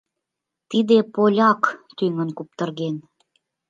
«Тиде поляк тӱҥын куптырген.